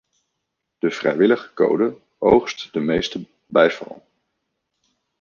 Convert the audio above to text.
De vrijwillige code oogst de meeste bijval.